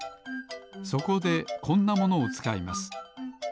そこでこんなものをつかいます。